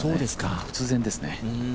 突然ですね。